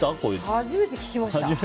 初めて聞きました。